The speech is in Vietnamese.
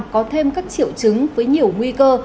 có thêm các triệu chứng với nhiều nguy cơ